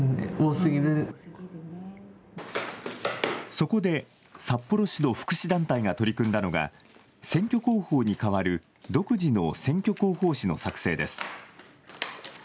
そこで札幌市の福祉団体が取り組んだのが選挙公報に代わる独自の選挙広報誌の作成です。